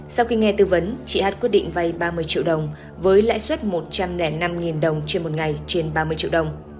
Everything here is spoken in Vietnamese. sau khi nghe tư vấn chị hát quyết định vay ba mươi triệu đồng với lãi suất một trăm linh năm đồng trên một ngày trên ba mươi triệu đồng